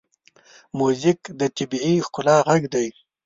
موزیک د طبیعي ښکلا غږ دی.